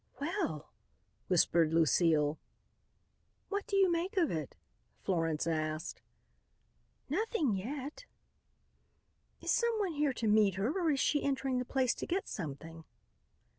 "Well!" whispered Lucile. "What do you make of it?" Florence asked. "Nothing yet." "Is someone here to meet her or is she entering the place to get something?"